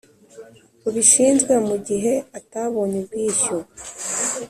rubishinzwe Mu gihe atabonye ubwishyu